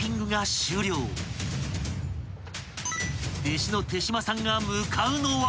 ［弟子の手島さんが向かうのは］